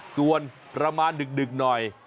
ส่วนประมาณดึกหน่อย